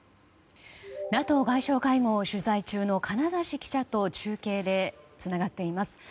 ＮＡＴＯ外相会合を取材中の金指記者と中継でつながっています。